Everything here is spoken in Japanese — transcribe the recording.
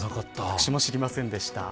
私も知りませんでした。